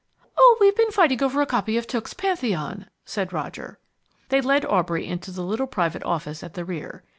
"Oh, we've been fighting over a copy of Tooke's Pantheon," said Roger. They led Aubrey into the little private office at the rear.